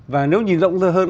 và nếu nhìn rộng hơn